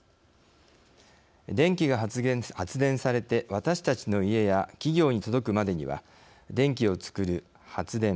電気が発電されて私たちの家や企業に届くまでには電気をつくる発電。